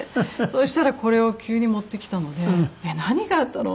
そしたらこれを急に持ってきたので何があったの？